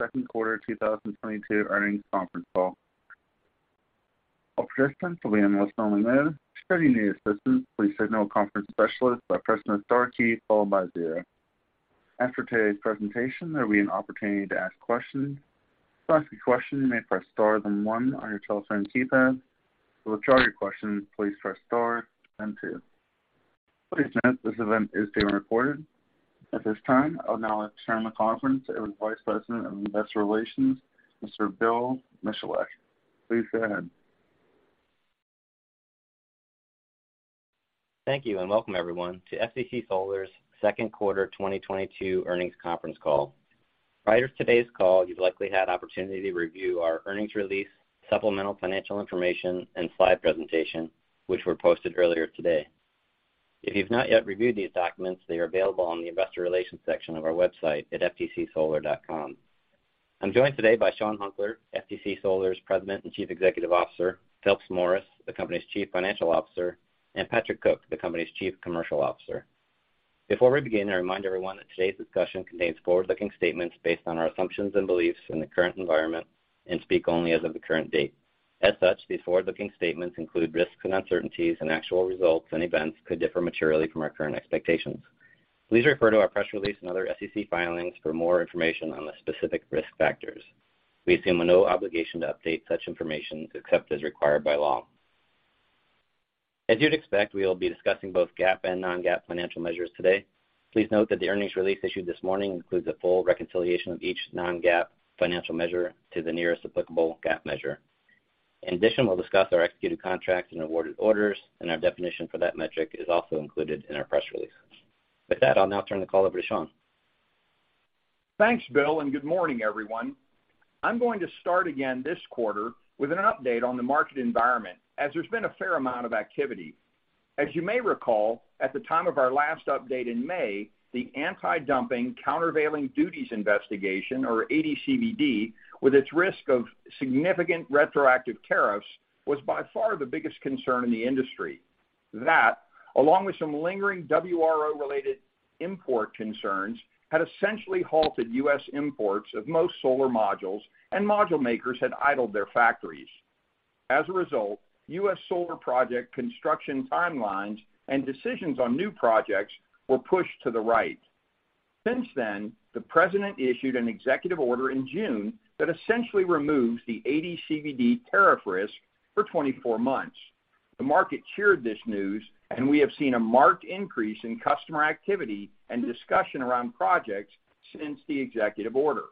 Second quarter 2022 earnings conference call. All participants will be in a listen-only mode. Should you need assistance, please signal a conference specialist by pressing the star key followed by zero. After today's presentation, there will be an opportunity to ask questions. To ask a question, you may press star then one on your telephone keypad. To withdraw your question, please press star then two. Please note this event is being recorded. At this time, I'll now turn the conference over to Vice President of Investor Relations, Mr. Bill Michalek. Please go ahead. Thank you, and welcome everyone to FTC Solar's second quarter 2022 earnings conference call. Prior to today's call, you've likely had opportunity to review our earnings release, supplemental financial information, and slide presentation, which were posted earlier today. If you've not yet reviewed these documents, they are available on the investor relations section of our website at ftcsolar.com. I'm joined today by Sean Hunkler, FTC Solar's President and Chief Executive Officer, Phelps Morris, the company's Chief Financial Officer, and Patrick Cook, the company's Chief Commercial Officer. Before we begin, I remind everyone that today's discussion contains forward-looking statements based on our assumptions and beliefs in the current environment and speak only as of the current date. As such, these forward-looking statements include risks and uncertainties, and actual results and events could differ materially from our current expectations. Please refer to our press release and other SEC filings for more information on the specific risk factors. We assume no obligation to update such information except as required by law. As you'd expect, we will be discussing both GAAP and non-GAAP financial measures today. Please note that the earnings release issued this morning includes a full reconciliation of each non-GAAP financial measure to the nearest applicable GAAP measure. In addition, we'll discuss our executed contracts and awarded orders, and our definition for that metric is also included in our press release. With that, I'll now turn the call over to Sean. Thanks, Bill, and good morning, everyone. I'm going to start again this quarter with an update on the market environment as there's been a fair amount of activity. As you may recall, at the time of our last update in May, the antidumping/countervailing duties investigation or AD/CVD, with its risk of significant retroactive tariffs, was by far the biggest concern in the industry. That, along with some lingering WRO-related import concerns, had essentially halted U.S. imports of most solar modules, and module makers had idled their factories. As a result, U.S. solar project construction timelines and decisions on new projects were pushed to the right. Since then, the president issued an executive order in June that essentially removes the AD/CVD tariff risk for 24 months. The market cheered this news, and we have seen a marked increase in customer activity and discussion around projects since the executive order.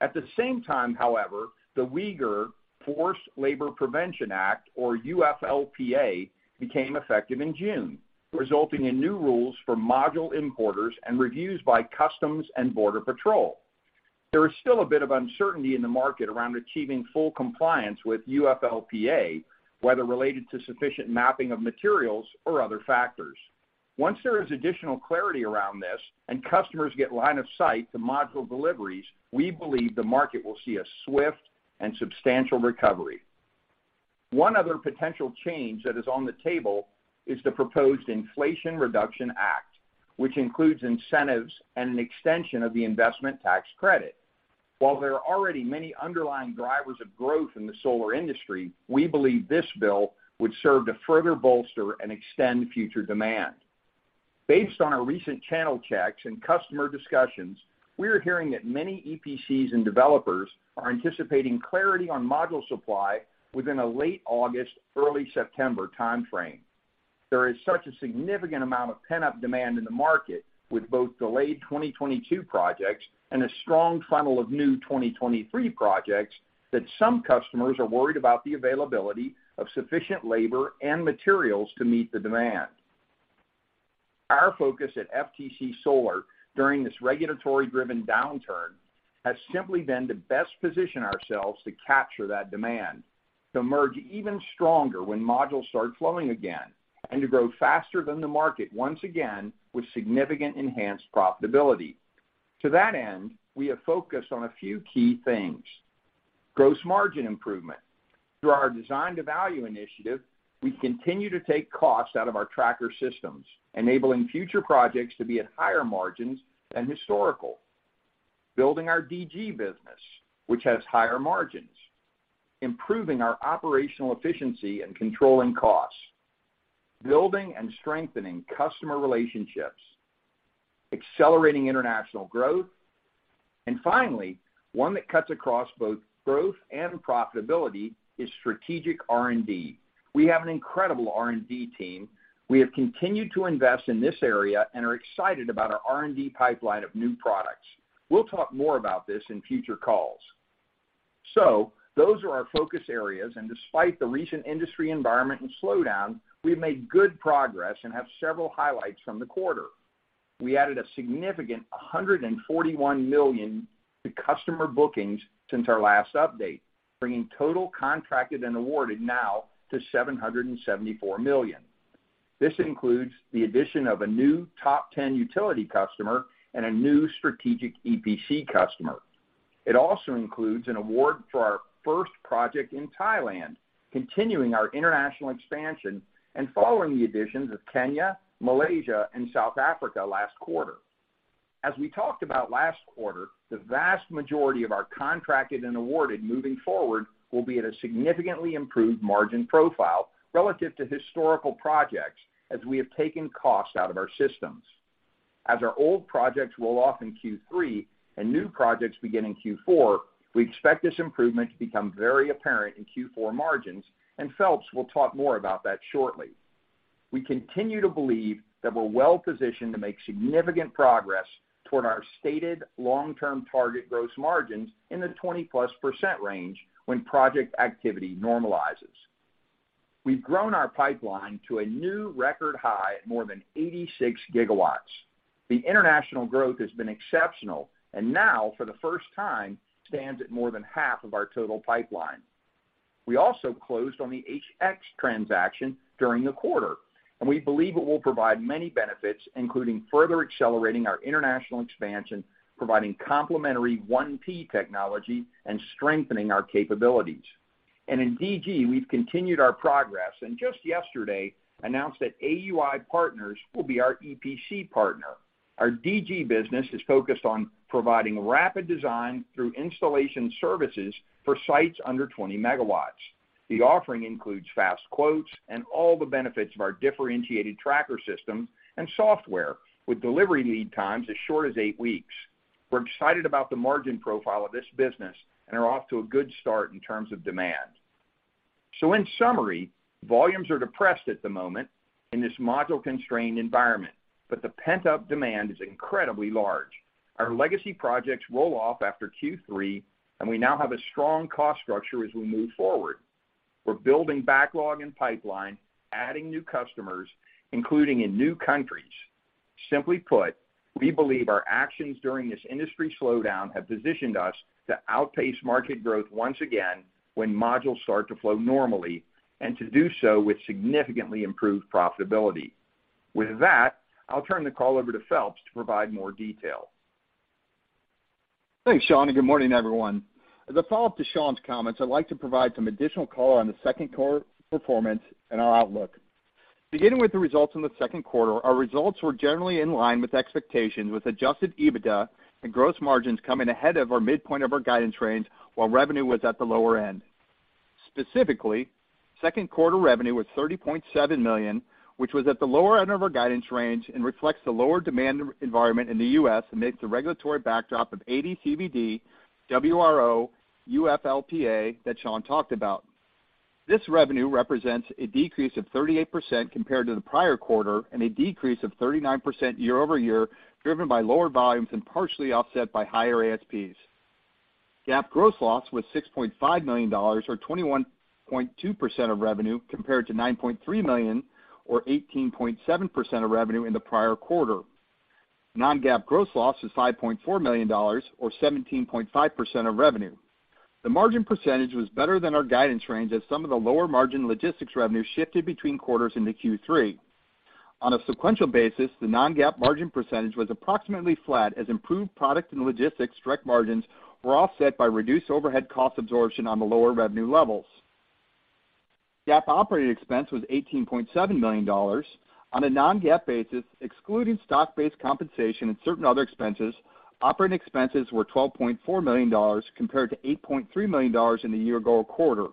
At the same time, however, the Uyghur Forced Labor Prevention Act, or UFLPA, became effective in June, resulting in new rules for module importers and reviews by Customs and Border Protection. There is still a bit of uncertainty in the market around achieving full compliance with UFLPA, whether related to sufficient mapping of materials or other factors. Once there is additional clarity around this and customers get line of sight to module deliveries, we believe the market will see a swift and substantial recovery. One other potential change that is on the table is the proposed Inflation Reduction Act, which includes incentives and an extension of the investment tax credit. While there are already many underlying drivers of growth in the solar industry, we believe this bill would serve to further bolster and extend future demand. Based on our recent channel checks and customer discussions, we are hearing that many EPCs and developers are anticipating clarity on module supply within a late August, early September time frame. There is such a significant amount of pent-up demand in the market with both delayed 2022 projects and a strong funnel of new 2023 projects that some customers are worried about the availability of sufficient labor and materials to meet the demand. Our focus at FTC Solar during this regulatory-driven downturn has simply been to best position ourselves to capture that demand, to emerge even stronger when modules start flowing again, and to grow faster than the market once again with significant enhanced profitability. To that end, we have focused on a few key things. Gross margin improvement. Through our Design to Value initiative, we continue to take costs out of our tracker systems, enabling future projects to be at higher margins than historical. Building our DG business, which has higher margins. Improving our operational efficiency and controlling costs. Building and strengthening customer relationships. Accelerating international growth. Finally, one that cuts across both growth and profitability is strategic R&D. We have an incredible R&D team. We have continued to invest in this area and are excited about our R&D pipeline of new products. We'll talk more about this in future calls. Those are our focus areas. Despite the recent industry environment and slowdown, we have made good progress and have several highlights from the quarter. We added a significant $141 million to customer bookings since our last update, bringing total contracted and awarded now to $774 million. This includes the addition of a new top 10 utility customer and a new strategic EPC customer. It also includes an award for our first project in Thailand, continuing our international expansion and following the additions of Kenya, Malaysia, and South Africa last quarter. As we talked about last quarter, the vast majority of our contracted and awarded moving forward will be at a significantly improved margin profile relative to historical projects as we have taken costs out of our systems. As our old projects roll off in Q3 and new projects begin in Q4, we expect this improvement to become very apparent in Q4 margins, and Phelps will talk more about that shortly. We continue to believe that we're well-positioned to make significant progress toward our stated long-term target gross margins in the 20%+ range when project activity normalizes. We've grown our pipeline to a new record high at more than 86 gigawatts. The international growth has been exceptional, and now, for the first time, stands at more than half of our total pipeline. We also closed on the HX transaction during the quarter, and we believe it will provide many benefits, including further accelerating our international expansion, providing complementary 1P technology, and strengthening our capabilities. In DG, we've continued our progress, and just yesterday announced that AUI Partners will be our EPC partner. Our DG business is focused on providing rapid design through installation services for sites under 20 megawatts. The offering includes fast quotes and all the benefits of our differentiated tracker system and software with delivery lead times as short as 8 weeks. We're excited about the margin profile of this business and are off to a good start in terms of demand. In summary, volumes are depressed at the moment in this module-constrained environment, but the pent-up demand is incredibly large. Our legacy projects roll off after Q3, and we now have a strong cost structure as we move forward. We're building backlog and pipeline, adding new customers, including in new countries. Simply put, we believe our actions during this industry slowdown have positioned us to outpace market growth once again when modules start to flow normally and to do so with significantly improved profitability. With that, I'll turn the call over to Phelps to provide more detail. Thanks, Sean, and good morning, everyone. As a follow-up to Sean's comments, I'd like to provide some additional color on the second quarter performance and our outlook. Beginning with the results in the second quarter, our results were generally in line with expectations, with adjusted EBITDA and gross margins coming ahead of our midpoint of our guidance range, while revenue was at the lower end. Specifically, second quarter revenue was $30.7 million, which was at the lower end of our guidance range and reflects the lower demand environment in the U.S. amidst the regulatory backdrop of AD/CVD, WRO, UFLPA that Sean talked about. This revenue represents a decrease of 38% compared to the prior quarter and a decrease of 39% year-over-year, driven by lower volumes and partially offset by higher ASPs. GAAP gross loss was $6.5 million, or 21.2% of revenue compared to $9.3 million or 18.7% of revenue in the prior quarter. Non-GAAP gross loss was $5.4 million or 17.5% of revenue. The margin percentage was better than our guidance range as some of the lower margin logistics revenue shifted between quarters into Q3. On a sequential basis, the non-GAAP margin percentage was approximately flat as improved product and logistics direct margins were offset by reduced overhead cost absorption on the lower revenue levels. GAAP operating expense was $18.7 million. On a non-GAAP basis, excluding stock-based compensation and certain other expenses, operating expenses were $12.4 million compared to $8.3 million in the year ago quarter.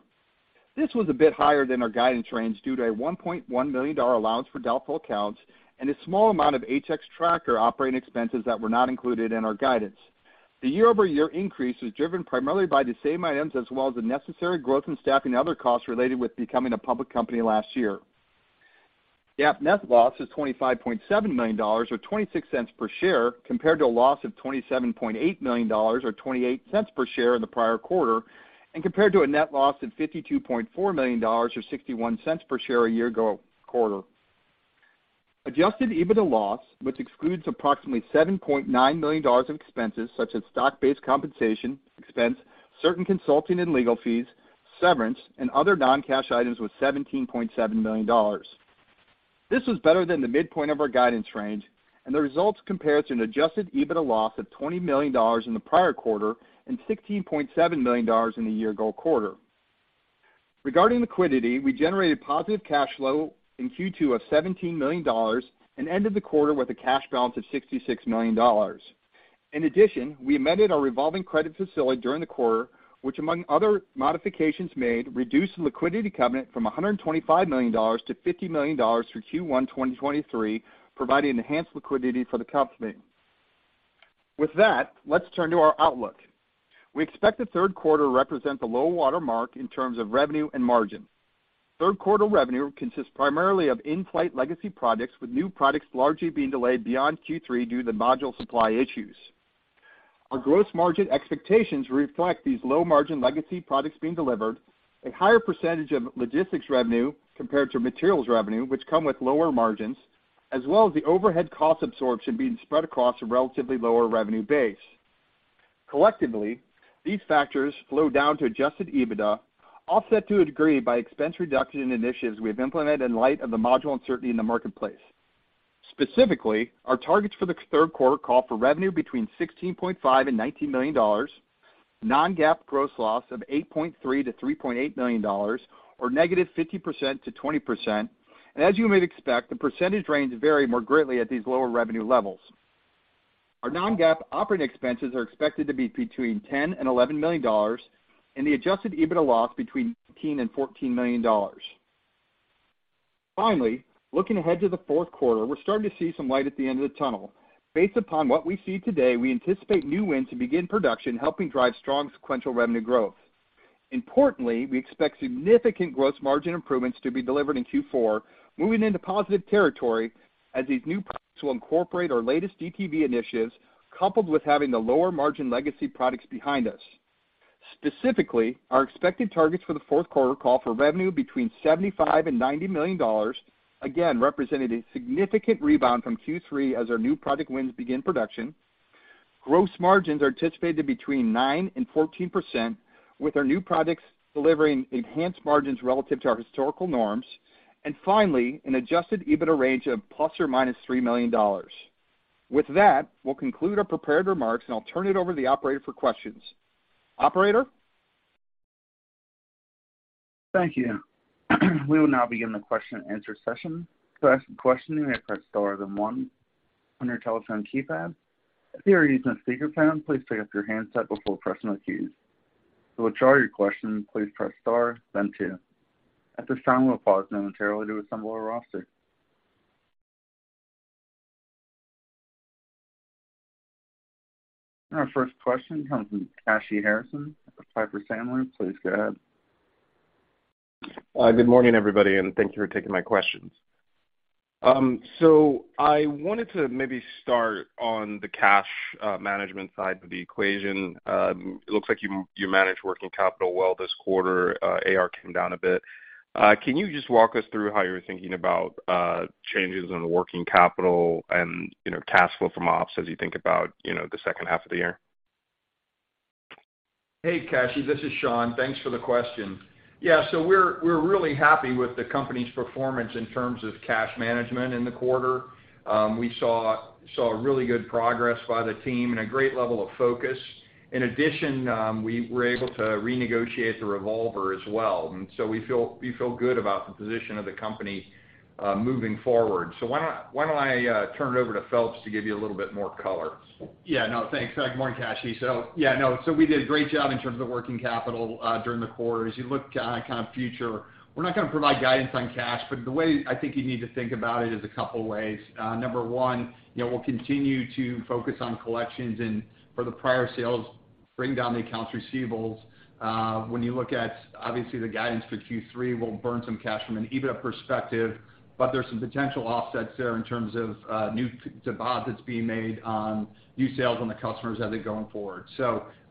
This was a bit higher than our guidance range due to a $1.1 million allowance for doubtful accounts and a small amount of HX Tracker operating expenses that were not included in our guidance. The year-over-year increase was driven primarily by the same items as well as the necessary growth in staffing and other costs related to becoming a public company last year. GAAP net loss is $25.7 million or $0.26 per share compared to a loss of $27.8 million or $0.28 per share in the prior quarter and compared to a net loss of $52.4 million or $0.61 per share a year-ago quarter. Adjusted EBITDA loss, which excludes approximately $7.9 million of expenses such as stock-based compensation expense, certain consulting and legal fees, severance, and other non-cash items, was $17.7 million. This was better than the midpoint of our guidance range, and the results compare to an adjusted EBITDA loss of $20 million in the prior quarter and $16.7 million in the year ago quarter. Regarding liquidity, we generated positive cash flow in Q2 of $17 million and ended the quarter with a cash balance of $66 million. In addition, we amended our revolving credit facility during the quarter, which, among other modifications made, reduced the liquidity covenant from $125 million to $50 million through Q1 2023, providing enhanced liquidity for the company. With that, let's turn to our outlook. We expect the third quarter to represent the low-water mark in terms of revenue and margin. Third quarter revenue consists primarily of in-flight legacy products, with new products largely being delayed beyond Q3 due to module supply issues. Our gross margin expectations reflect these low-margin legacy products being delivered, a higher percentage of logistics revenue compared to materials revenue, which come with lower margins, as well as the overhead cost absorption being spread across a relatively lower revenue base. Collectively, these factors flow down to adjusted EBITDA, offset to a degree by expense reduction initiatives we have implemented in light of the module uncertainty in the marketplace. Specifically, our targets for the third quarter call for revenue between $16.5 million and $19 million. Non-GAAP gross loss of $8.3 million-$3.8 million, or -50% to 20%. As you may expect, the percentage ranges vary more greatly at these lower revenue levels. Our non-GAAP operating expenses are expected to be between $10 million and $11 million, and the adjusted EBITDA loss between $18 million and $14 million. Finally, looking ahead to the fourth quarter, we're starting to see some light at the end of the tunnel. Based upon what we see today, we anticipate new wins to begin production, helping drive strong sequential revenue growth. Importantly, we expect significant gross margin improvements to be delivered in Q4, moving into positive territory as these new products will incorporate our latest DTV initiatives, coupled with having the lower margin legacy products behind us. Specifically, our expected targets for the fourth quarter call for revenue between $75 million and $90 million, again, representing a significant rebound from Q3 as our new product wins begin production. Gross margins are anticipated between 9% and 14%, with our new products delivering enhanced margins relative to our historical norms. Finally, an adjusted EBITDA range of ±$3 million. With that, we'll conclude our prepared remarks, and I'll turn it over to the operator for questions. Operator? Thank you. We will now begin the question and answer session. To ask a question, you may press star then one on your telephone keypad. If you are using a speakerphone, please pick up your handset before pressing the keys. To withdraw your question, please press star then two. At this time, we'll pause momentarily to assemble our roster. Our first question comes from Kashy Harrison of Piper Sandler. Please go ahead. Good morning, everybody, and thank you for taking my questions. I wanted to maybe start on the cash management side of the equation. It looks like you managed working capital well this quarter. AR came down a bit. Can you just walk us through how you're thinking about changes in working capital and, you know, cash flow from ops as you think about, you know, the second half of the year? Hey, Kashy, this is Sean. Thanks for the question. Yeah. We're really happy with the company's performance in terms of cash management in the quarter. We saw really good progress by the team and a great level of focus. In addition, we were able to renegotiate the revolver as well, and so we feel good about the position of the company moving forward. Why don't I turn it over to Phelps to give you a little bit more color? Yeah, no, thanks. Good morning, Kashy. Yeah, no. We did a great job in terms of the working capital during the quarter. As you look to the future, we're not gonna provide guidance on cash, but the way I think you need to think about it is a couple ways. Number one, you know, we'll continue to focus on collections and for the prior sales, bring down the accounts receivables. When you look at, obviously, the guidance for Q3, we'll burn some cash from an EBITDA perspective, but there's some potential offsets there in terms of new deposits being made on new sales on the customers as they're going forward.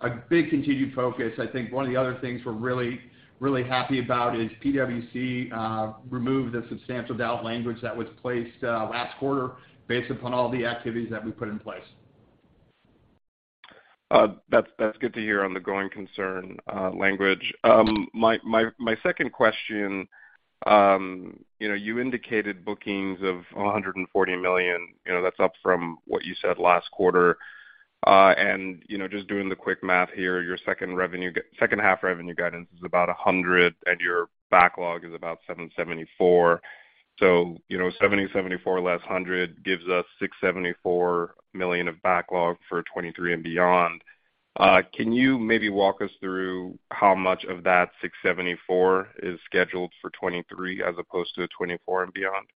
A big continued focus. I think one of the other things we're really, really happy about is PwC removed the substantial doubt language that was placed last quarter based upon all the activities that we put in place. That's good to hear on the growing concern language. My second question, you know, you indicated bookings of $140 million, you know, that's up from what you said last quarter. You know, just doing the quick math here, your second half revenue guidance is about $100 million, and your backlog is about $774 million. You know, $774 million less $100 million gives us $674 million of backlog for 2023 and beyond. Can you maybe walk us through how much of that $674 million is scheduled for 2023 as opposed to 2024 and beyond?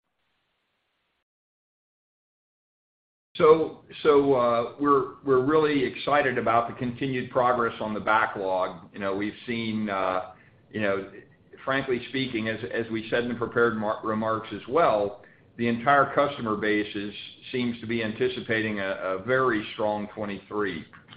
We're really excited about the continued progress on the backlog. You know, we've seen, you know, frankly speaking, as we said in the prepared remarks as well, the entire customer base seems to be anticipating a very strong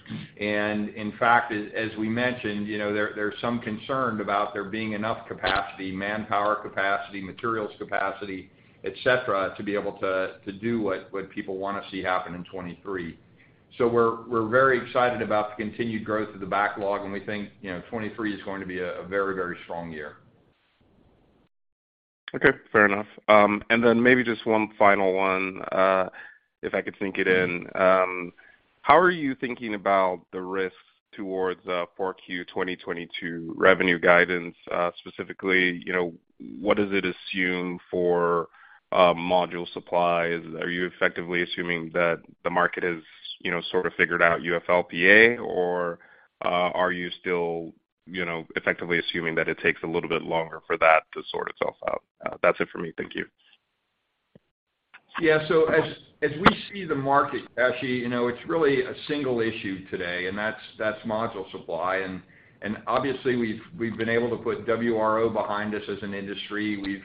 2023. In fact, as we mentioned, you know, there's some concern about there being enough capacity, manpower capacity, materials capacity, et cetera, to be able to do what people wanna see happen in 2023. We're very excited about the continued growth of the backlog, and we think, you know, 2023 is going to be a very, very strong year. Okay, fair enough. Maybe just one final one, if I could sneak it in. How are you thinking about the risks towards 4Q 2022 revenue guidance? Specifically, you know, what does it assume for module supplies? Are you effectively assuming that the market has, you know, sort of figured out UFLPA? Or are you still, you know, effectively assuming that it takes a little bit longer for that to sort itself out? That's it for me. Thank you. As we see the market, Kashy, you know, it's really a single issue today, and that's module supply. Obviously we've been able to put WRO behind us as an industry.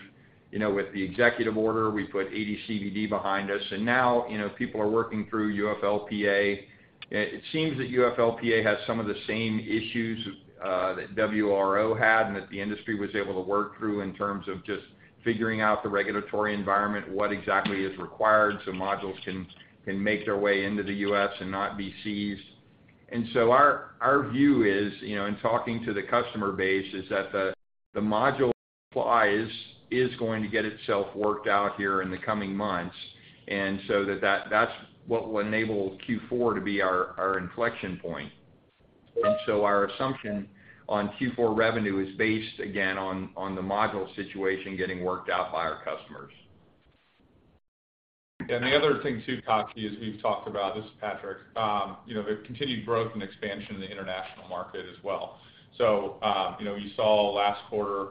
You know, with the executive order, we've put AD/CVD behind us, and now, you know, people are working through UFLPA. It seems that UFLPA has some of the same issues that WRO had and that the industry was able to work through in terms of just figuring out the regulatory environment, what exactly is required so modules can make their way into the U.S. and not be seized. Our view is, you know, in talking to the customer base, is that the module is going to get itself worked out here in the coming months, and so that's what will enable Q4 to be our inflection point. Our assumption on Q4 revenue is based, again, on the module situation getting worked out by our customers. The other thing too, Kashy, as we've talked about, this is Patrick, you know, the continued growth and expansion in the international market as well. You know, you saw last quarter,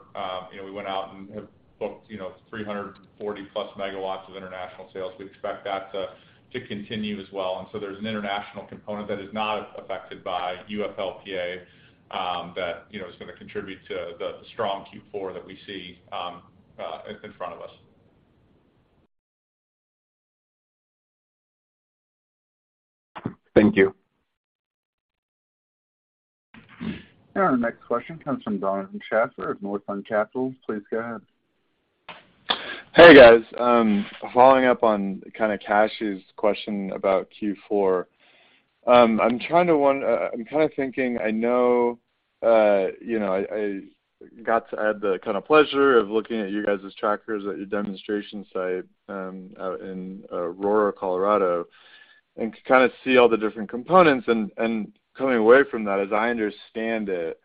you know, we went out and have booked, you know, 340+ megawatts of international sales. We expect that to continue as well. There's an international component that is not affected by UFLPA, you know, that is gonna contribute to the strong Q4 that we see in front of us. Thank you. Our next question comes from Donovan Schafer at Northland Capital Markets. Please go ahead. Hey, guys. Following up on kinda Kashy's question about Q4. I'm kinda thinking, I know, you know, I got to have the kinda pleasure of looking at you guys' trackers at your demonstration site out in Aurora, Colorado, and to kinda see all the different components. Coming away from that, as I understand it,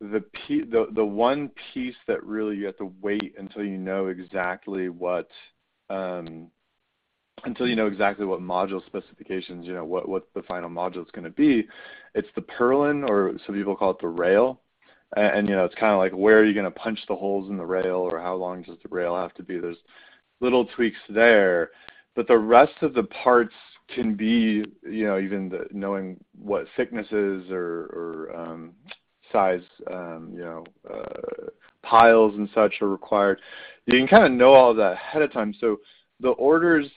the one piece that really you have to wait until you know exactly what module specifications, you know, what the final module is gonna be, it's the purlin or some people call it the rail. You know, it's kinda like, where are you gonna punch the holes in the rail or how long does the rail have to be? There's little tweaks there, but the rest of the parts can be, you know, even the knowing what thicknesses or size, you know, piles and such are required. You can kinda know all that ahead of time. The orders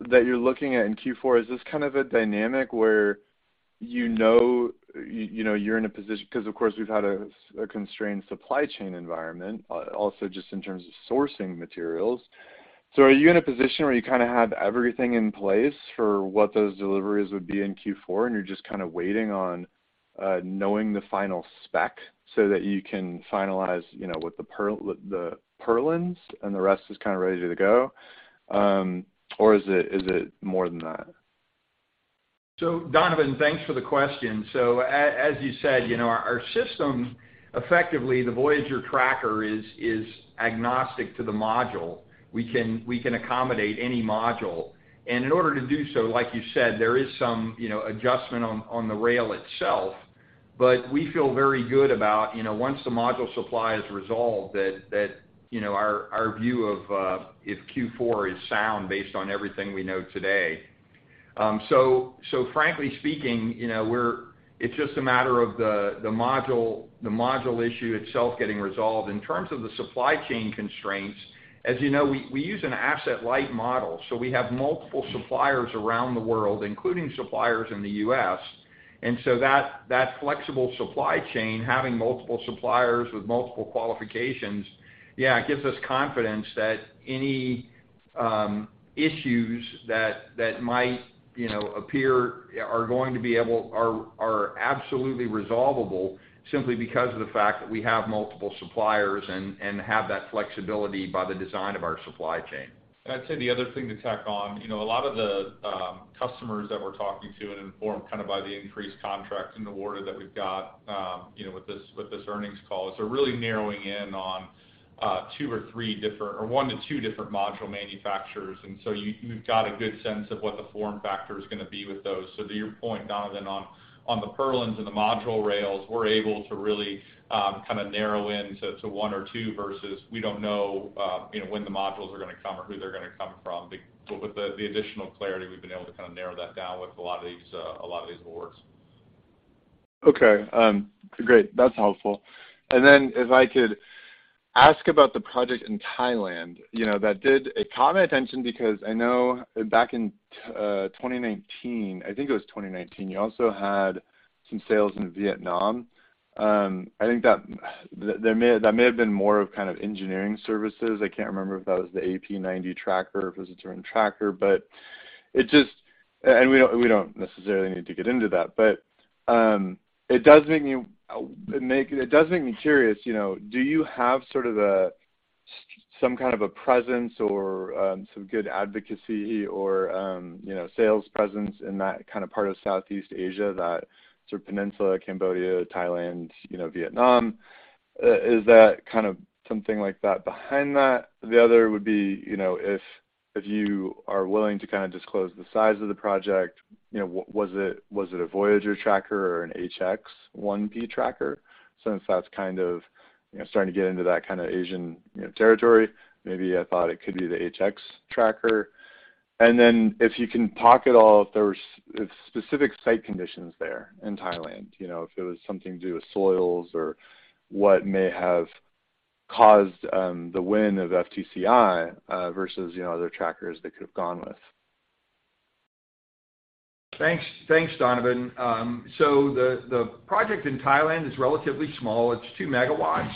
that you're looking at in Q4, is this kind of a dynamic where you know you're in a position? Because, of course, we've had a constrained supply chain environment, also just in terms of sourcing materials. Are you in a position where you kinda have everything in place for what those deliveries would be in Q4, and you're just kinda waiting on knowing the final spec so that you can finalize, you know, what the purlins and the rest is kinda ready to go? Or is it more than that? Donovan, thanks for the question. As you said, you know, our system, effectively, the Voyager tracker is agnostic to the module. We can accommodate any module. In order to do so, like you said, there is some, you know, adjustment on the rail itself. But we feel very good about, you know, once the module supply is resolved, that our view of if Q4 is sound based on everything we know today. Frankly speaking, you know, it's just a matter of the module issue itself getting resolved. In terms of the supply chain constraints, as you know, we use an asset-light model, so we have multiple suppliers around the world, including suppliers in the U.S. That flexible supply chain, having multiple suppliers with multiple qualifications, yeah, it gives us confidence that any issues that might, you know, appear are absolutely resolvable simply because of the fact that we have multiple suppliers and have that flexibility by the design of our supply chain. I'd say the other thing to tack on, you know, a lot of the customers that we're talking to and informed kind of by the increased contracts and the order that we've got, you know, with this earnings call, is they're really narrowing in on two or three different or one to two different module manufacturers. You've got a good sense of what the form factor is gonna be with those. To your point, Donovan, on the purlins and the module rails, we're able to really kinda narrow in to one or two versus we don't know, you know, when the modules are gonna come or who they're gonna come from. With the additional clarity, we've been able to kinda narrow that down with a lot of these awards. Okay. Great. That's helpful. If I could ask about the project in Thailand, you know, it caught my attention because I know back in 2019, you also had some sales in Vietnam. I think that that may have been more of kind of engineering services. I can't remember if that was the AP90 tracker, if it was a different tracker. We don't necessarily need to get into that. It does make me curious, you know, do you have sort of a some kind of a presence or some good advocacy or, you know, sales presence in that kinda part of Southeast Asia, that sort of peninsula, Cambodia, Thailand, you know, Vietnam? Is that kind of something like that behind that? The other would be, you know, if you are willing to kinda disclose the size of the project, you know, was it a Voyager tracker or an HX 1P tracker? Since that's kind of, you know, starting to get into that kinda Asian, you know, territory, maybe I thought it could be the HX tracker. If you can talk at all, if there was, if specific site conditions there in Thailand, you know, if it was something to do with soils or what may have caused the win of FTCI versus, you know, other trackers they could have gone with. Thanks, Donovan. The project in Thailand is relatively small, it's 2 megawatts.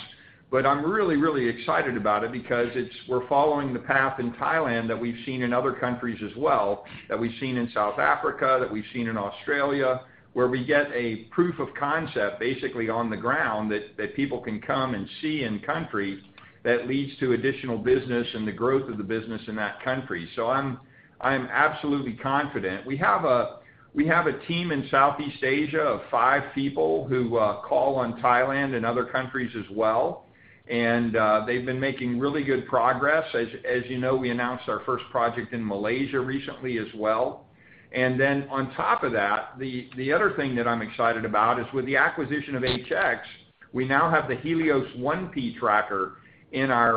I'm really excited about it because we're following the path in Thailand that we've seen in other countries as well, that we've seen in South Africa, that we've seen in Australia, where we get a proof of concept basically on the ground that people can come and see in country that leads to additional business and the growth of the business in that country. I'm absolutely confident. We have a team in Southeast Asia of five people who call on Thailand and other countries as well. They've been making really good progress. As you know, we announced our first project in Malaysia recently as well. On top of that, the other thing that I'm excited about is with the acquisition of HX, we now have the Helios 1P tracker in our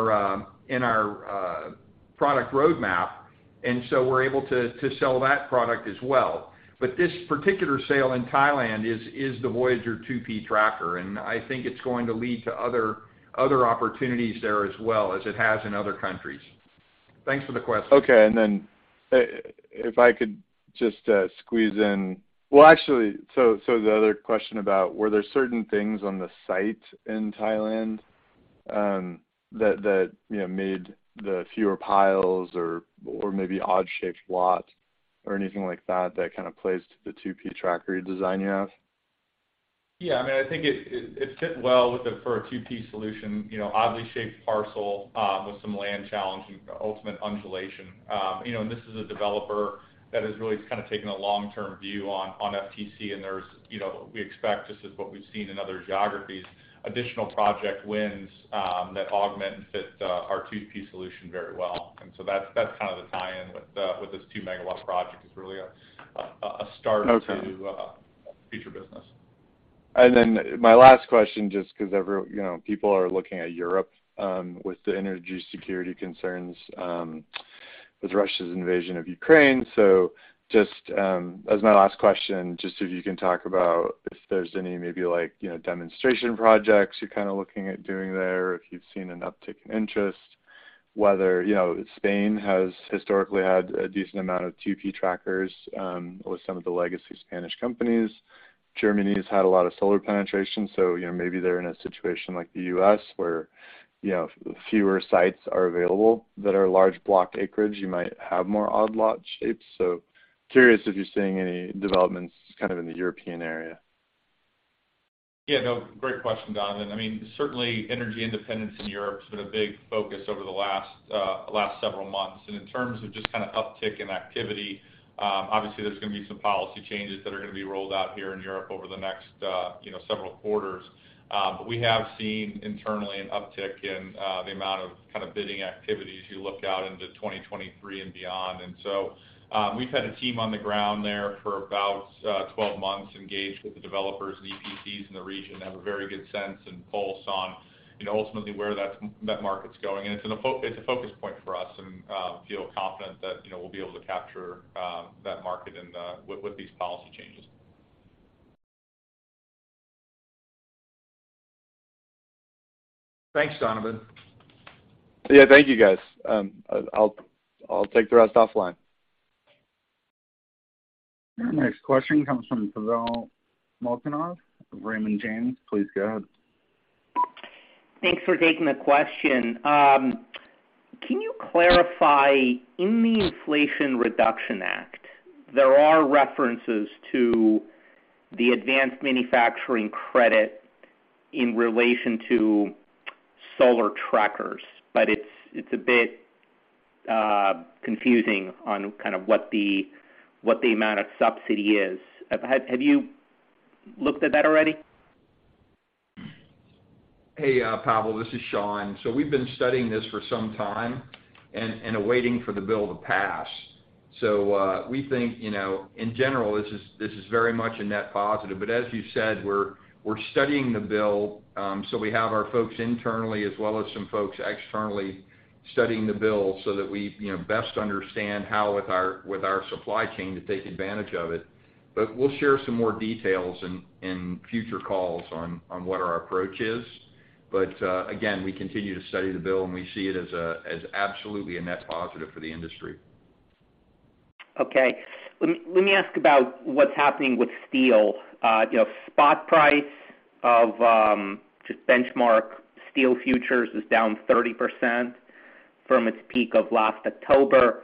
product roadmap, and so we're able to sell that product as well. This particular sale in Thailand is the Voyager 2P tracker, and I think it's going to lead to other opportunities there as well as it has in other countries. Thanks for the question. Well, actually, the other question about were there certain things on the site in Thailand that you know made the fewer piles or maybe odd-shaped lot or anything like that that kind of plays to the 2P tracker design you have? Yeah. I mean, I think it fit well for a 2P solution, you know, oddly shaped parcel with some land challenge and ultimate undulation. You know, this is a developer that has really kind of taken a long-term view on FTC, and there's, you know, we expect. This is what we've seen in other geographies, additional project wins that augment and fit our 2P solution very well. That's kind of the tie-in with this 2-megawatt project. It's really a start. Okay to future business. Then my last question, just 'cause every, you know, people are looking at Europe, with the energy security concerns, with Russia's invasion of Ukraine. Just, as my last question, just if you can talk about if there's any maybe like, you know, demonstration projects you're kind of looking at doing there, if you've seen an uptick in interest, whether, you know, Spain has historically had a decent amount of 2P trackers, with some of the legacy Spanish companies. Germany has had a lot of solar penetration, so, you know, maybe they're in a situation like the U.S. where, you know, fewer sites are available that are large block acreage. You might have more odd lot shapes. Curious if you're seeing any developments kind of in the European area. Yeah, no, great question, Donovan. I mean, certainly energy independence in Europe has been a big focus over the last several months. In terms of just kind of uptick in activity, obviously there's gonna be some policy changes that are gonna be rolled out here in Europe over the next several quarters. We have seen internally an uptick in the amount of kind of bidding activity as you look out into 2023 and beyond. We've had a team on the ground there for about 12 months, engaged with the developers and EPCs in the region, have a very good sense and pulse on, you know, ultimately where that market's going. It's a focus point for us, and feel confident that, you know, we'll be able to capture that market and with these policy changes. Thanks, Donovan. Yeah. Thank you, guys. I'll take the rest offline. Our next question comes from Pavel Molchanov of Raymond James. Please go ahead. Thanks for taking the question. Can you clarify, in the Inflation Reduction Act, there are references to the advanced manufacturing credit in relation to solar trackers, but it's a bit confusing on kind of what the amount of subsidy is. Have you looked at that already? Hey, Pavel, this is Sean. We've been studying this for some time and are waiting for the bill to pass. We think, you know, in general, this is very much a net positive. As you said, we're studying the bill. We have our folks internally as well as some folks externally studying the bill so that we, you know, best understand how with our supply chain to take advantage of it. We'll share some more details in future calls on what our approach is. Again, we continue to study the bill, and we see it as as absolutely a net positive for the industry. Okay. Let me ask about what's happening with steel. You know, spot price of just benchmark steel futures is down 30% from its peak of last October.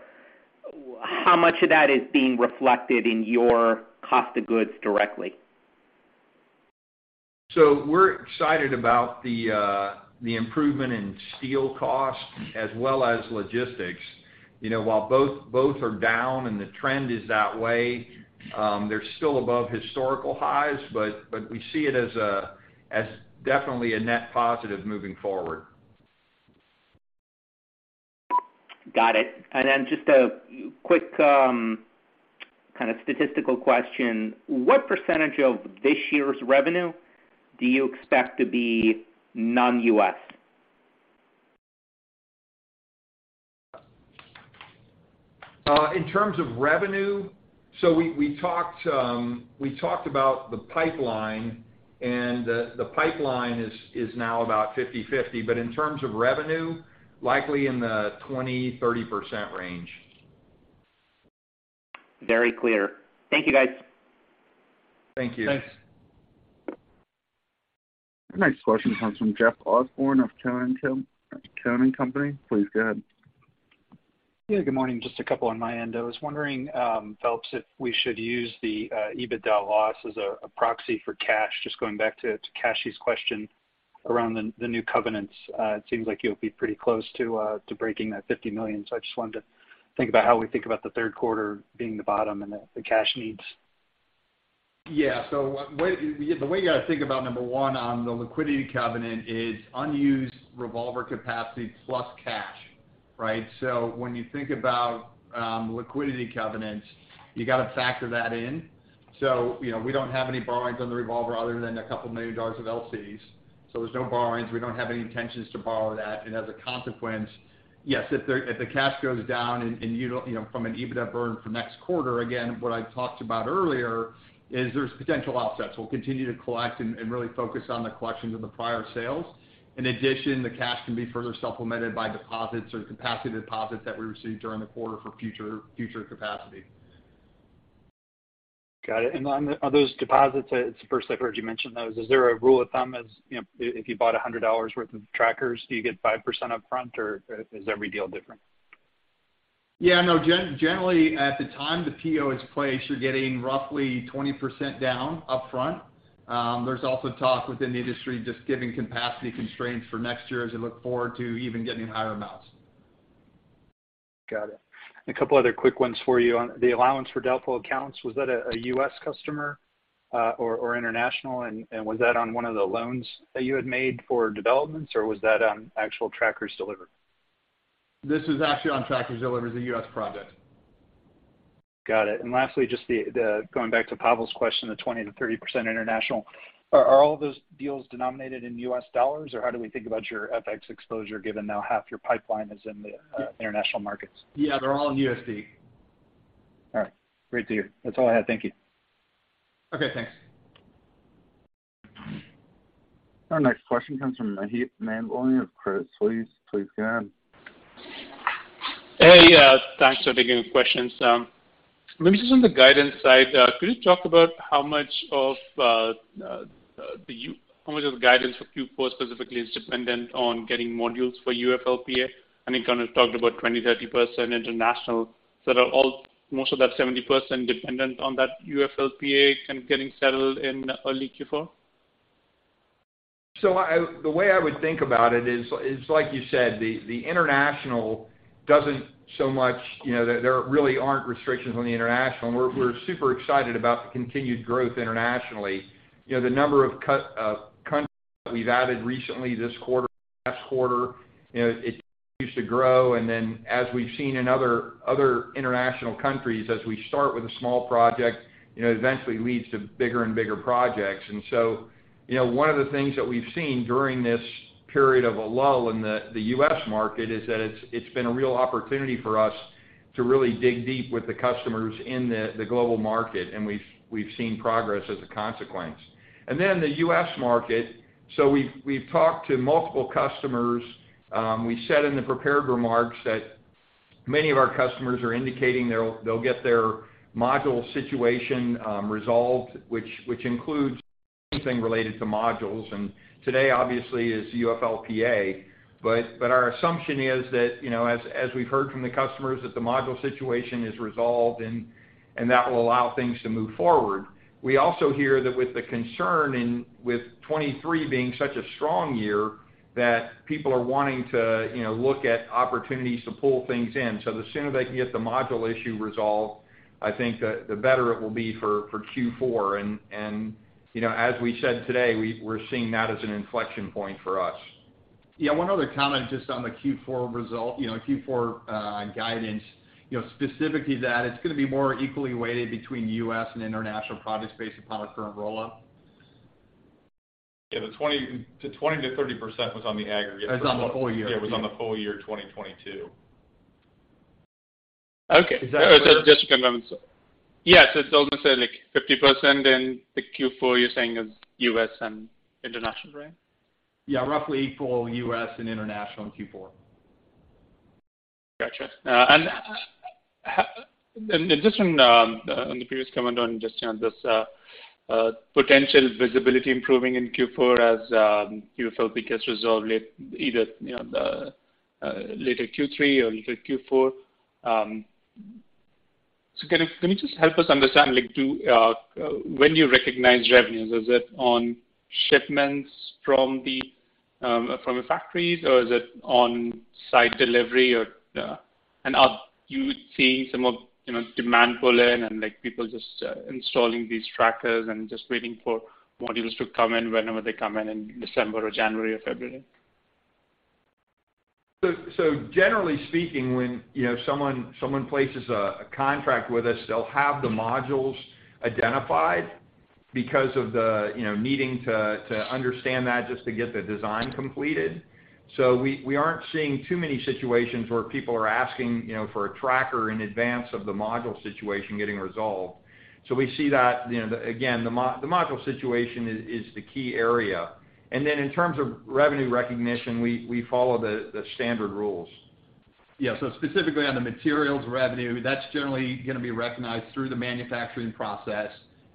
How much of that is being reflected in your cost of goods directly? We're excited about the improvement in steel costs as well as logistics. You know, while both are down and the trend is that way, they're still above historical highs. We see it as definitely a net positive moving forward. Got it. Just a quick, kind of statistical question. What percentage of this year's revenue do you expect to be non-US? In terms of revenue, we talked about the pipeline. The pipeline is now about 50-50. In terms of revenue, likely in the 20%-30% range. Very clear. Thank you, guys. Thank you. Thanks. Our next question comes from Jeff Osborne of Cowen & Company. Please go ahead. Yeah. Good morning. Just a couple on my end. I was wondering, Phelps, if we should use the EBITDA loss as a proxy for cash. Just going back to Kashy's question around the new covenants. It seems like you'll be pretty close to breaking that $50 million. So I just wanted to think about how we think about the third quarter being the bottom and the cash needs. Yeah. The way you gotta think about, number one, on the liquidity covenant is unused revolver capacity plus cash, right? When you think about liquidity covenants, you gotta factor that in. You know, we don't have any borrowings on the revolver other than a couple million dollars of LCs. There's no borrowings. We don't have any intentions to borrow that. As a consequence, yes, if the cash goes down and you don't, you know, from an EBITDA burn for next quarter, again, what I talked about earlier is there's potential offsets. We'll continue to collect and really focus on the collections of the prior sales. In addition, the cash can be further supplemented by deposits or capacity deposits that we received during the quarter for future capacity. Got it. On, are those deposits? It's the first I've heard you mention those. Is there a rule of thumb as, you know, if you bought $100 worth of trackers, do you get 5% upfront or is every deal different? Yeah. No. Generally, at the time the PO is placed, you're getting roughly 20% down upfront. There's also talk within the industry, just given capacity constraints for next year, as we look forward to even getting higher amounts. Got it. A couple other quick ones for you. On the allowance for doubtful accounts, was that a U.S. customer, or international? Was that on one of the loans that you had made for developments, or was that on actual trackers delivered? This is actually on trackers delivered. It's a U.S. project. Got it. Lastly, just the going back to Pavel's question, the 20%-30% international. Are all those deals denominated in U.S. dollars, or how do we think about your FX exposure given now half your pipeline is in the international markets? Yeah, they're all in USD. All right. Great to hear. That's all I had. Thank you. Okay. Thanks. Our next question comes from Maheep Mandloi of Credit Suisse. Please go ahead. Hey, thanks for taking the questions. Maybe just on the guidance side, could you talk about how much of the guidance for Q4 specifically is dependent on getting modules for UFLPA? And you kind of talked about 20-30% international. Are most of that 70% dependent on that UFLPA getting settled in early Q4? The way I would think about it is like you said, the international doesn't so much, you know, there really aren't restrictions on the international, and we're super excited about the continued growth internationally. You know, the number of countries that we've added recently this quarter, last quarter, you know, it continues to grow. As we've seen in other international countries, as we start with a small project, you know, it eventually leads to bigger and bigger projects. You know, one of the things that we've seen during this period of a lull in the U.S. market is that it's been a real opportunity for us to really dig deep with the customers in the global market, and we've seen progress as a consequence. Then the U.S. market, so we've talked to multiple customers. We said in the prepared remarks that many of our customers are indicating they'll get their module situation resolved, which includes anything related to modules. Today, obviously, is UFLPA. Our assumption is that, you know, as we've heard from the customers, that the module situation is resolved and that will allow things to move forward. We also hear that with the concern with 2023 being such a strong year, that people are wanting to, you know, look at opportunities to pull things in. The sooner they can get the module issue resolved, I think the better it will be for Q4. You know, as we said today, we're seeing that as an inflection point for us. One other comment just on the Q4 result, you know, Q4 guidance. You know, specifically that it's gonna be more equally weighted between U.S. and international projects based upon our current rollout. Yeah. The 20%-30% was on the aggregate. It's on the full year. Yeah. It was on the full year 2022. Okay. Is that clear? Just to confirm. Yes, it's almost, like, 50%, and the Q4 you're saying is U.S. and international, right? Yeah. Roughly equal U.S. and international in Q4. Gotcha. Just from the previous comment on just, you know, this potential visibility improving in Q4 as UFLPA gets resolved late in either, you know, the later Q3 or later Q4. Can you just help us understand, like, when do you recognize revenues? Is it on shipments from the factories, or is it on-site delivery? Are you seeing some of, you know, demand pull-in and, like, people just installing these trackers and just waiting for modules to come in whenever they come in December or January or February? Generally speaking, when, you know, someone places a contract with us, they'll have the modules identified. Because of the, you know, needing to understand that just to get the design completed. We aren't seeing too many situations where people are asking, you know, for a tracker in advance of the module situation getting resolved. We see that, you know, the, again, the module situation is the key area. Then in terms of revenue recognition, we follow the standard rules. Yeah. Specifically on the materials revenue, that's generally gonna be recognized through the manufacturing process.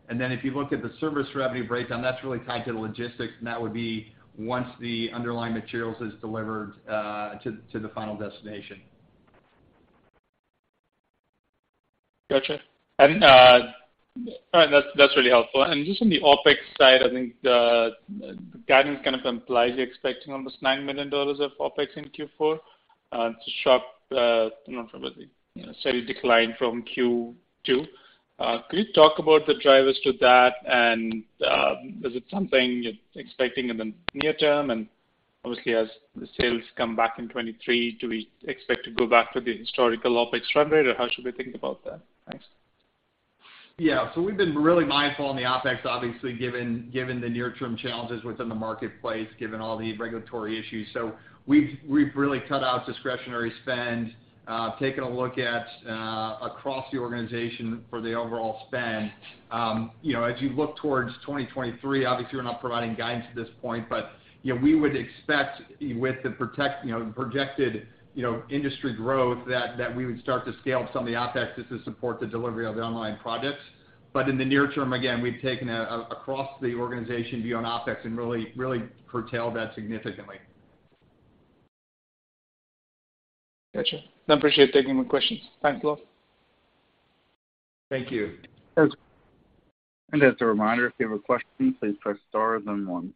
Then if you look at the service revenue breakdown, that's really tied to the logistics, and that would be once the underlying materials is delivered to the final destination. Gotcha. All right, that's really helpful. Just on the OpEx side, I think the guidance kind of implies you're expecting almost $9 million of OpEx in Q4, too sharp, you know, from a steady decline from Q2. Could you talk about the drivers to that? Is it something you're expecting in the near term? Obviously, as the sales come back in 2023, do we expect to go back to the historical OpEx run rate, or how should we think about that? Thanks. Yeah. We've been really mindful on the OpEx, obviously, given the near-term challenges within the marketplace, given all the regulatory issues. We've really cut out discretionary spend, taken a look at across the organization for the overall spend. You know, as you look towards 2023, obviously, we're not providing guidance at this point, but, you know, we would expect with the projected industry growth that we would start to scale up some of the OpEx just to support the delivery of the online projects. In the near term, again, we've taken a across the organization view on OpEx and really curtailed that significantly. Gotcha. I appreciate taking the questions. Thanks a lot. Thank you. As a reminder, if you have a question, please press star then one.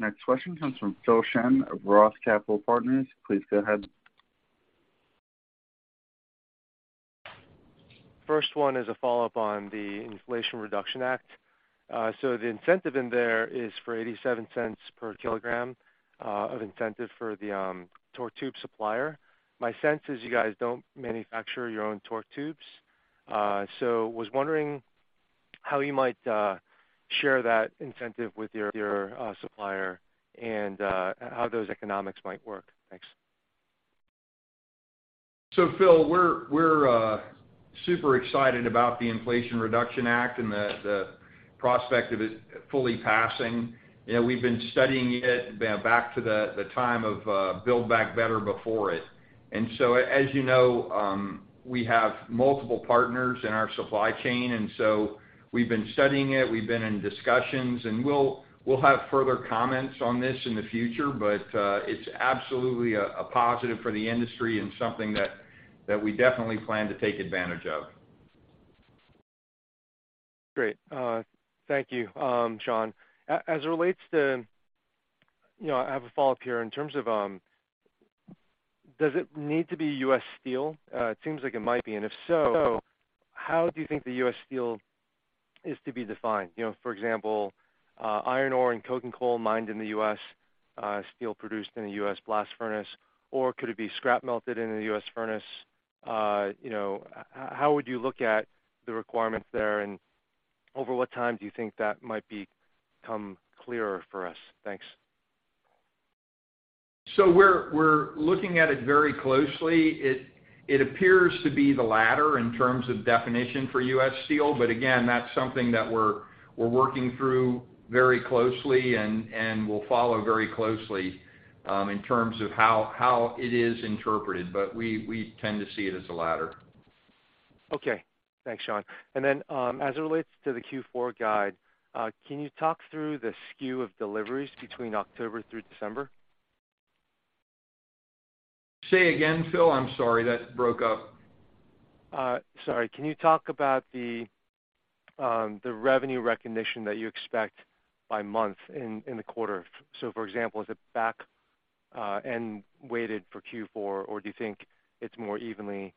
Next question comes from Philip Shen of ROTH Capital Partners. Please go ahead. First one is a follow-up on the Inflation Reduction Act. The incentive in there is for $0.87 per kilogram of incentive for the torque tube supplier. My sense is you guys don't manufacture your own torque tubes. Was wondering how you might share that incentive with your supplier and how those economics might work. Thanks. Phil, we're super excited about the Inflation Reduction Act and the prospect of it fully passing. You know, we've been studying it back to the time of Build Back Better before it. As you know, we have multiple partners in our supply chain, and we've been studying it, we've been in discussions, and we'll have further comments on this in the future. It's absolutely a positive for the industry and something that we definitely plan to take advantage of. Great. Thank you, Sean. As it relates to... You know, I have a follow-up here in terms of, does it need to be U.S. steel? It seems like it might be. If so, how do you think the U.S. steel is to be defined? You know, for example, iron ore and coking coal mined in the U.S., steel produced in a U.S. blast furnace, or could it be scrap melted in a U.S. furnace? You know, how would you look at the requirements there? Over what time do you think that might become clearer for us? Thanks. We're looking at it very closely. It appears to be the latter in terms of definition for U.S. steel, but again, that's something that we're working through very closely and we'll follow very closely in terms of how it is interpreted. We tend to see it as the latter. Okay. Thanks, Sean. As it relates to the Q4 guide, can you talk through the skew of deliveries between October through December? Say again, Phil? I'm sorry. That broke up. Can you talk about the revenue recognition that you expect by month in the quarter? For example, is it back-end weighted for Q4, or do you think it's more evenly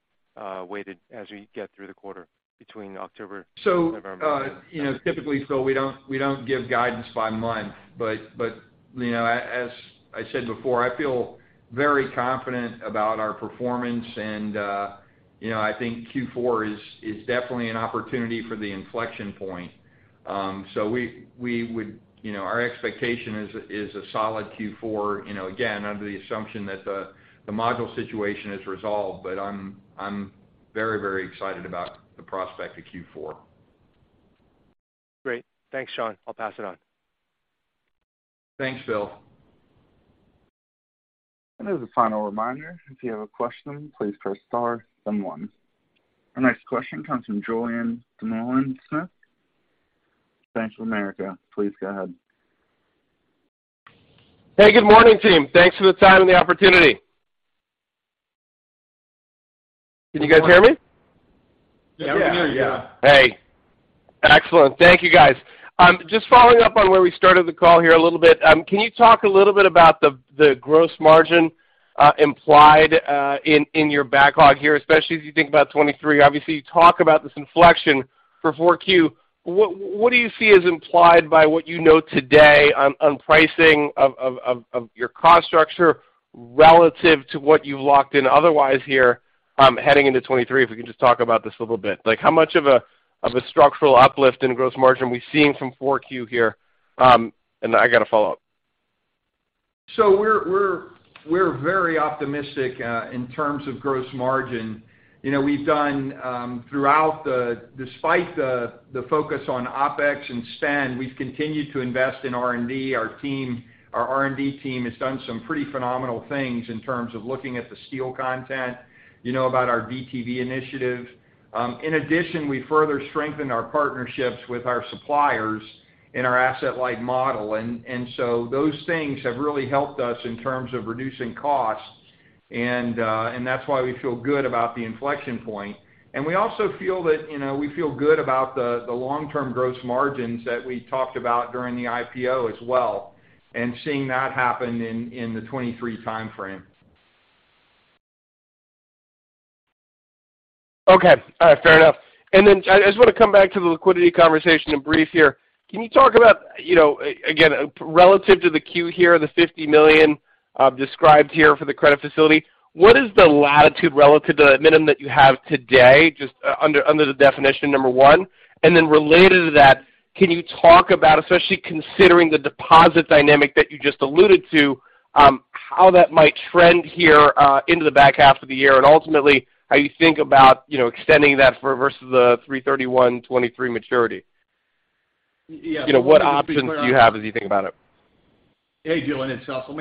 weighted as we get through the quarter between October, November and- You know, typically, Phil, we don't give guidance by month. You know, as I said before, I feel very confident about our performance and, you know, I think Q4 is definitely an opportunity for the inflection point. You know, our expectation is a solid Q4, you know, again, under the assumption that the module situation is resolved. I'm very excited about the prospect of Q4. Great. Thanks, Sean. I'll pass it on. Thanks, Phil. As a final reminder, if you have a question, please press star then one. Our next question comes from Julien Dumoulin-Smith, Bank of America. Please go ahead. Hey, good morning, team. Thanks for the time and the opportunity. Can you guys hear me? Yeah. We can hear you. Hey. Excellent. Thank you, guys. Just following up on where we started the call here a little bit. Can you talk a little bit about the gross margin implied in your backlog here, especially as you think about 2023? Obviously, you talk about this inflection for 4Q. What do you see as implied by what you know today on pricing of your cost structure relative to what you've locked in otherwise here, heading into 2023? If we can just talk about this a little bit. Like, how much of a structural uplift in gross margin are we seeing from 4Q here? I got a follow-up. We're very optimistic in terms of gross margin. You know, despite the focus on OpEx and spend, we've continued to invest in R&D. Our R&D team has done some pretty phenomenal things in terms of looking at the steel content, you know, about our DTV initiative. In addition, we further strengthened our partnerships with our suppliers in our asset-light model. Those things have really helped us in terms of reducing costs, and that's why we feel good about the inflection point. We also feel that, you know, we feel good about the long-term gross margins that we talked about during the IPO as well, and seeing that happen in the 2023 timeframe. Okay. All right, fair enough. I just wanna come back to the liquidity conversation in brief here. Can you talk about, you know, again, relative to the Q here, the $50 million described here for the credit facility, what is the latitude relative to the minimum that you have today, just under the definition, number one? Related to that, can you talk about, especially considering the deposit dynamic that you just alluded to, how that might trend here into the back half of the year, and ultimately how you think about, you know, extending that for versus the 3/31/2023 maturity? Yeah. You know, what options do you have as you think about it? Hey, Julien, it's Phelps. Let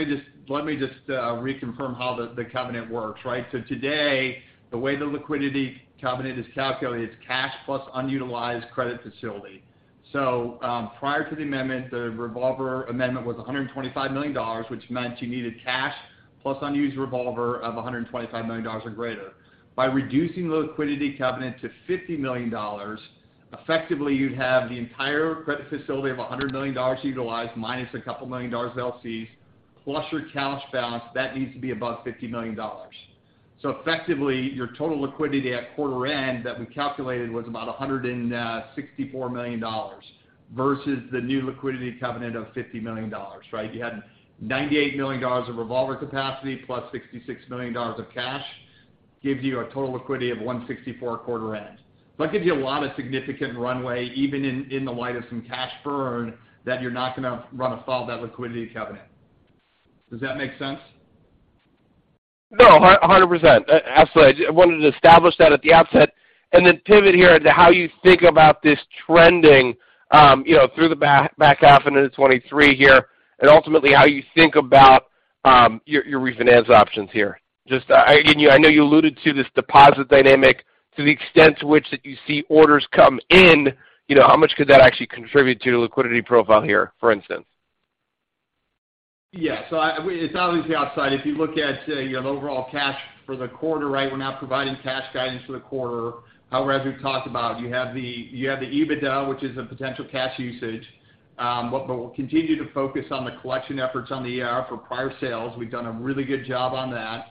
me just reconfirm how the covenant works, right? Today, the way the liquidity covenant is calculated is cash plus unutilized credit facility. Prior to the amendment, the revolver amendment was $125 million, which meant you needed cash plus unused revolver of $125 million or greater. By reducing the liquidity covenant to $50 million, effectively you'd have the entire credit facility of $100 million utilized minus a couple million dollars of LCs, plus your cash balance, that needs to be above $50 million. Effectively, your total liquidity at quarter end that we calculated was about $164 million versus the new liquidity covenant of $50 million, right? You had $98 million of revolver capacity plus $66 million of cash, gives you a total liquidity of $164 million quarter end. That gives you a lot of significant runway, even in the light of some cash burn, that you're not gonna run afoul of that liquidity covenant. Does that make sense? No, 100%. Absolutely. I just wanted to establish that at the outset, and then pivot here into how you think about this trending, you know, through the back half and into 2023 here, and ultimately how you think about your refinance options here. I know you alluded to this deposit dynamic to the extent to which that you see orders come in, you know, how much could that actually contribute to your liquidity profile here, for instance? It's obviously upside. If you look at overall cash for the quarter, right? We're not providing cash guidance for the quarter. However, as we've talked about, you have the EBITDA, which is a potential cash usage, but we'll continue to focus on the collection efforts on the AR for prior sales. We've done a really good job on that.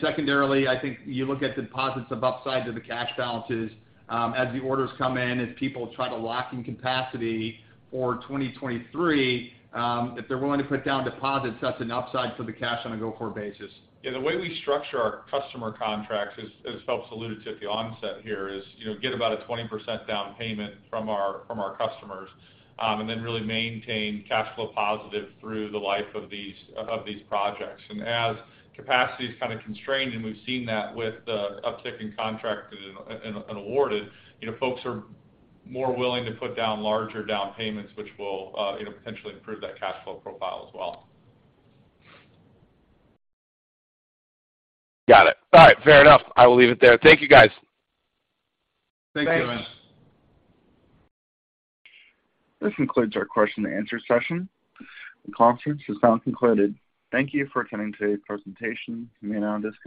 Secondarily, I think you look at deposits of upside to the cash balances, as the orders come in, as people try to lock in capacity for 2023, if they're willing to put down deposits, that's an upside for the cash on a go-forward basis. Yeah, the way we structure our customer contracts is, as Phelps alluded to at the onset here, you know, get about a 20% down payment from our customers, and then really maintain cash flow positive through the life of these projects. As capacity is kind of constrained, and we've seen that with the uptick in contracts and awards, you know, folks are more willing to put down larger down payments, which will, you know, potentially improve that cash flow profile as well. Got it. All right, fair enough. I will leave it there. Thank you, guys. Thanks. Thank you. This concludes our question and answer session. The conference is now concluded. Thank you for attending today's presentation. You may now disconnect.